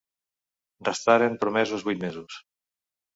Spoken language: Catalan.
Restaren promesos vuit mesos.